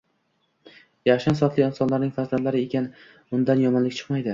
Yaxshi, insofli insonlarning farzandi ekan, undan yomonlik chiqmaydi